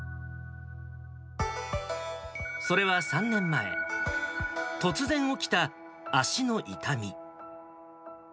それは３年前、突然起きた足の痛み。